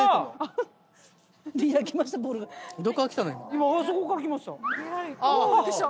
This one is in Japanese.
今あそこから来ました。